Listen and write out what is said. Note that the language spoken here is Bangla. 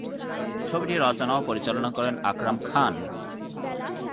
ছবিটি রচনা ও পরিচালনা করেন আকরাম খান।